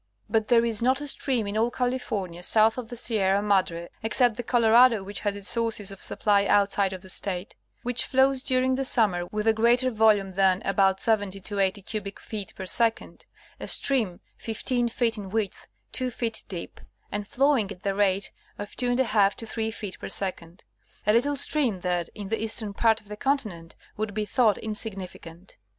But there is not a stream in all California south of the Sierra Madre (except the Colorado, which has it sources of supply outside of the State) which flows during the summer with a greater volume than about 70 to 80 cubic feet per second — a stream 15 feet in width, 2 feet deep, and flowing at the rate of 2^ to 3 feet per second— a little stream that, in the eastern part of the continent, would be thought insignifi cant.